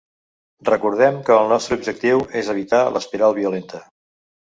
Recordem que el nostre objectiu és evitar l’espiral violenta.